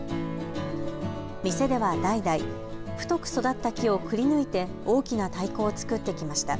店では代々、太く育った木をくりぬいて大きな太鼓を作ってきました。